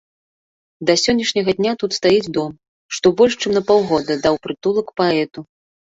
Да сённяшняга дня тут стаіць дом, што больш чым на паўгода даў прытулак паэту.